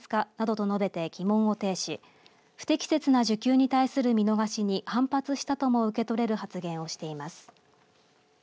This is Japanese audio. などと述べて疑問を呈し不適切な需給に対する見逃しに反発したとも受け取れる発言をしています。